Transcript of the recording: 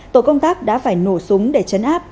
tổ công tác đã phải nổ súng để chấn áp